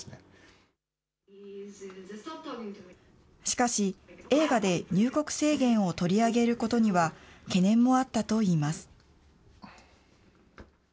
しかし、映画で入国制限を取り上げることには、懸念もあったといいます。